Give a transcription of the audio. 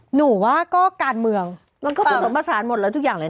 หนูว่าก็การเมืองมันก็ผสมผสานหมดแล้วทุกอย่างเลยนะ